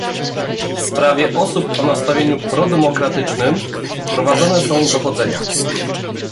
W sprawie osób o nastawieniu prodemokratycznym prowadzone są dochodzenia